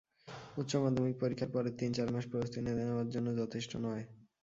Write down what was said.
উচ্চমাধ্যমিক পরীক্ষার পরের তিন চার মাস প্রস্তুতি নেওয়ার জন্য যথেষ্ট নয়।